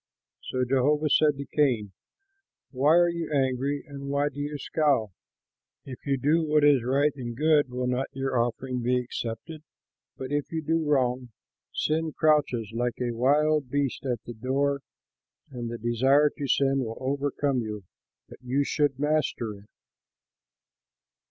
So Jehovah said to Cain, "Why are you angry and why do you scowl? If you do what is right and good, will not your offering be accepted? But if you do wrong, sin crouches like a wild beast at the door and the desire to sin will overcome you; but you should master it."